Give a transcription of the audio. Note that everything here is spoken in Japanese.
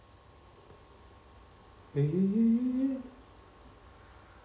え？